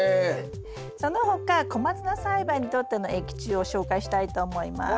その他コマツナ栽培にとっての益虫を紹介したいと思います。